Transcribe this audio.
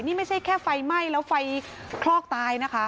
นี่ไม่ใช่แค่ไฟไหม้แล้วไฟคลอกตายนะคะ